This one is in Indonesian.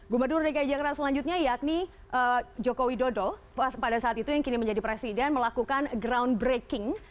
gubernur dki jakarta selanjutnya yakni joko widodo pada saat itu yang kini menjadi presiden melakukan groundbreaking